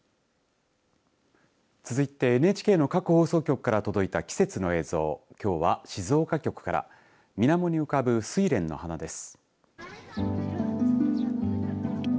続いてＮＨＫの各放送局から届いた季節の映像きょうは静岡局からみなもに浮かぶ、すいれんの花です。